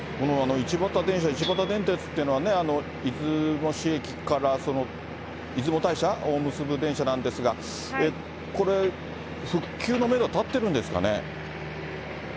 一畑電車、一畑電鉄っていうのは、出雲市駅から出雲大社を結ぶ電車なんですが、これ、復旧のメドは立ってるんですかね。